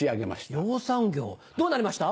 養蚕業どうなりました？